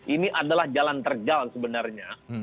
ini adalah jalan terjal sebenarnya